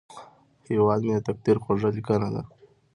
هیواد مې د تقدیر خوږه لیکنه ده